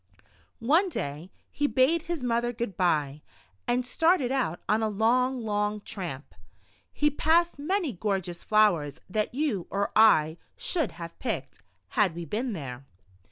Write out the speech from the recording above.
One day, he bade his mother good bye, and started out on a long, long tramp. He passed many gorgeous flowers that you or I should t:S Monkey Tricks in the Jungle. 139 have picked, had we been there.